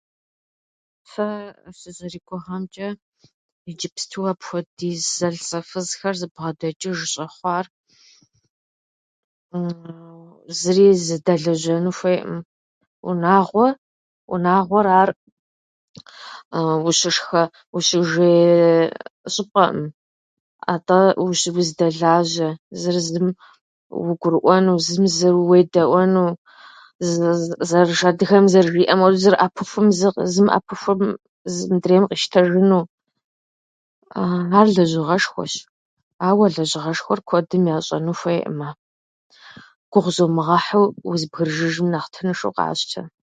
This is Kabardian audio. Сэ сызэригугъэмчӏэ, иджыпсту апхуэдиз зэлӏзэфызхэр зыбгъэдэкӏыж щӏэхъуар зыри зэдэлэжьэну хуейӏым. унагъуэ- унагъуэр ар ущышхэ, ущыжей щӏыпӏэӏым. Атӏэ ущы- узэдэлажьэ, зыр зым угурыӏуэну, зым зыр уедэӏуэну, зы- зэрыж- адыгэм зэрыжиӏэм хуэдэу, зыр ӏэпыхур- зым ӏэпыхум зым- мыдрейм къищтэжыну. Ар лэжьыгъэшхуэщ. Ауэ а лэжьыгъэшхуэр куэдым ящӏэну хуейӏымэ. Гугъу зумыгъэхьыу узэбгрыжыжым, нэхъ тыншу къащтэ.